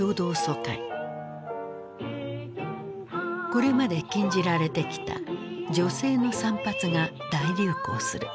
これまで禁じられてきた女性の散髪が大流行する。